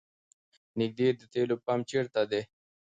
نیږدې د تیلو پمپ چېرته ده؟